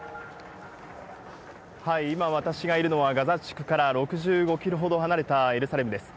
今私がいるのは、ガザ地区から６５キロほど離れたエルサレムです。